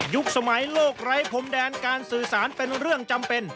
สมัยโลกไร้พรมแดนการสื่อสารเป็นเรื่องจำเป็น